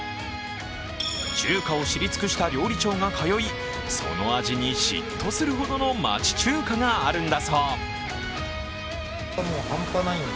中華を知り尽くした料理長が通いその味に嫉妬するほどの町中華があるんだそう。